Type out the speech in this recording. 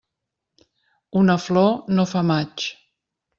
Una flor no fa maig.